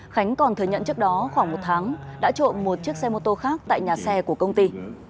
khánh còn thừa nhận trước đó khoảng một tháng đã trộm một chiếc xe mô tô khác tại nhà xe của công ty